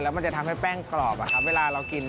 แล้วมันจะทำให้แป้งกรอบนะครับเวลาเรากิน